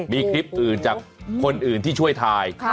มีคลิปอื่นจากคนอื่นที่ช่วยถ่าย